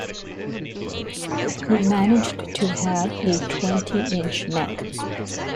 He managed to have a twenty-inch neck.